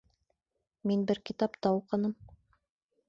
Мин бер китапта уҡыным.